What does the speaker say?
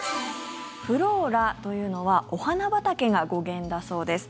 フローラというのはお花畑が語源だそうです。